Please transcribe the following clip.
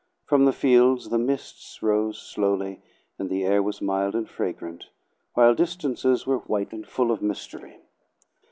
From the fields the mists rose slowly, and the air was mild and fragrant, while distances were white and full of mystery.